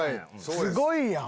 すごいやん！